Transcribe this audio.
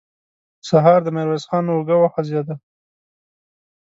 سهار د ميرويس خان اوږه وخوځېده.